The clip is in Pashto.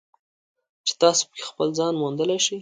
چې تاسو پکې خپل ځان موندلی شئ.